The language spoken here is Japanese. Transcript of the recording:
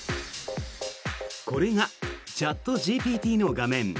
これがチャットＧＰＴの画面。